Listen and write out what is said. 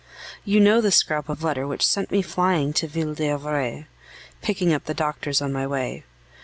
You know the scrap of letter which sent me flying to Ville d'Avray, picking up the doctors on my way.